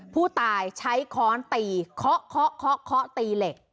ผู้ตายใช้ค้อนตีเคาะเคาะตีเหล็ก